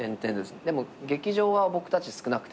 でも劇場は僕たち少なくて。